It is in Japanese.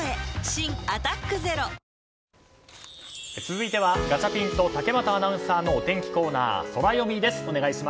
新「アタックＺＥＲＯ」続いては、ガチャピンと竹俣アナウンサーのお天気コーナー、ソラよみです。